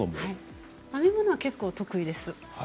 編み物は結構得意です。